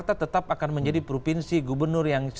ya saya kira jakarta tetap akan menjadi provinsi gubernur yang diberikan